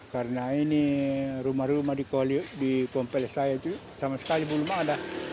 karena ini rumah rumah di kompel saya itu sama sekali belum ada